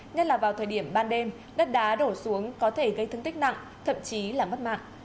nhất là vào thời điểm ban đêm đất đá đổ xuống có thể gây thương tích nặng thậm chí là mất mạng